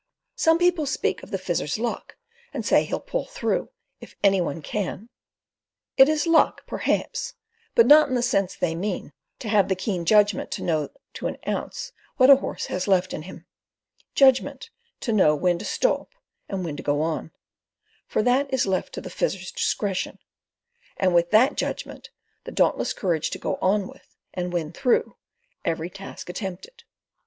Some people speak of the Fizzer's luck, and say he'll pull through, if any one can. It is luck, perhaps—but not in the sense they mean—to have the keen judgment to know to an ounce what a horse has left in him, judgment to know when to stop and when to go on—for that is left to the Fizzer's discretion; and with that judgment the dauntless courage to go on with, and win through, every task attempted.